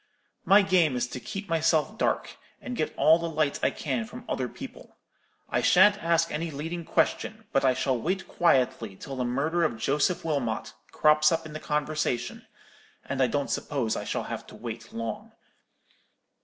My game is to keep myself dark, and get all the light I can from other people. I shan't ask any leading question, but I shall wait quietly till the murder of Joseph Wilmot crops up in the conversation; and I don't suppose I shall have to wait long.